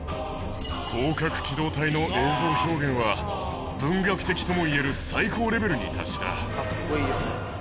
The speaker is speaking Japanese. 攻殻機動隊の映像表現は、文学的ともいえる最高レベルに達した。